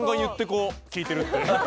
聴いてるって。